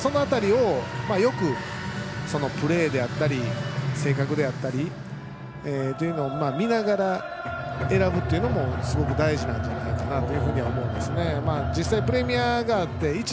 その辺りをよくプレーであったり性格であったりそういうのを見ながら選ぶというのもすごく大事なことだと思います。